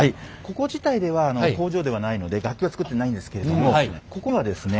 ここ自体では工場ではないので楽器は作ってないんですけれどもここはですね